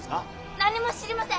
何も知りません！